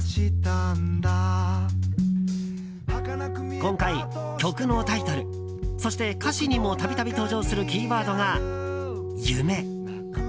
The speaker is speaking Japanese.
今回、曲のタイトルそして歌詞にも度々、登場するキーワードが夢。